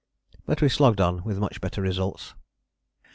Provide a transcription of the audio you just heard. ] But we slogged along with much better results.